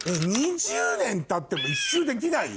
２０年たっても１周できない？